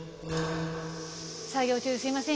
作業中すみません